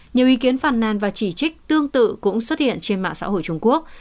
nhiều ý kiến phản nàn và chỉ trích tương tự cũng xuất hiện trên mạng xã hội trung quốc